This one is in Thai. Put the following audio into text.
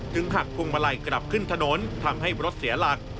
หักพวงมาลัยกลับขึ้นถนนทำให้รถเสียหลัก